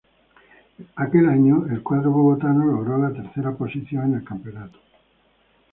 En aquel año, el cuadro bogotano logró la tercera posición en el campeonato.